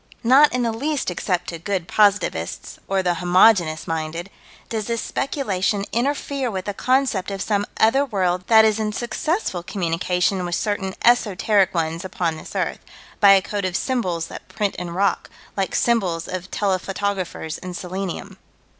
Not in the least except to good positivists, or the homogeneous minded, does this speculation interfere with the concept of some other world that is in successful communication with certain esoteric ones upon this earth, by a code of symbols that print in rock, like symbols of telephotographers in selenium.